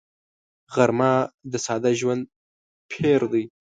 غرمه د ساده ژوندي پېر دی